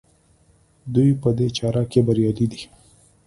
دوی په دې چاره کې بریالي دي.